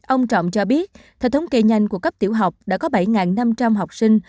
ông trọng cho biết theo thống kê nhanh của cấp tiểu học đã có bảy năm trăm linh học sinh